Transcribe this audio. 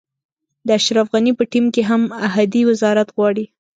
د اشرف غني په ټیم کې هم احدي وزارت غواړي.